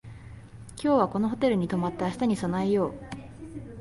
今日はこのホテルに泊まって明日に備えよう